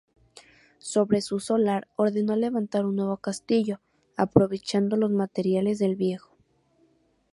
Sobre su solar, ordenó levantar un nuevo castillo, aprovechando los materiales del viejo.